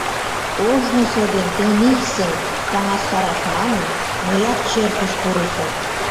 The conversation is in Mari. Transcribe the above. Ожнысо ден тенийсым таҥастараш манын, мыят черкыш пурышым.